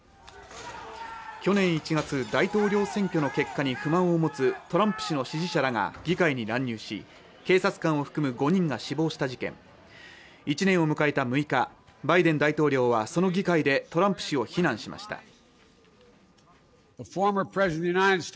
去年１月大統領選挙の結果に不満を持つトランプ氏の支持者らが議会に乱入し警察官を含む５人が死亡した事件１年を迎えた６日バイデン大統領はその議会でトランプ氏を非難しました